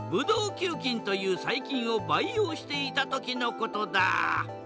球菌という細菌を培養していた時のことだ。